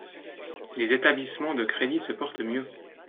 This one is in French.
Les établissements de crédit se portent mieux.